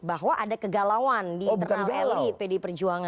bahwa ada kegalauan di internal elit pdi perjuangan